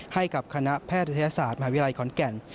ให้กับคณะแพทยศาสตร์มหาวิทยาลัยขอนแก่น